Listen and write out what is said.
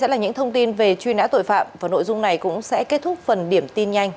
sẽ là những thông tin về truy nã tội phạm và nội dung này cũng sẽ kết thúc phần điểm tin nhanh